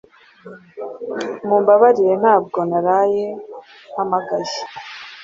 Mumbabarire ntabwo naraye mpamagaye